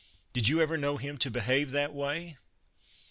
Did you ever know him to behave that way